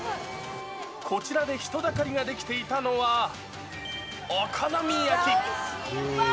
こちらで人だかりが出来ていたのは、お好み焼き。